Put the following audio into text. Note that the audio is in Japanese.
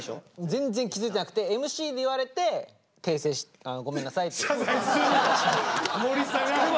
全然気付いてなくてＭＣで言われて訂正「ごめんなさい」って。盛り下がるわ！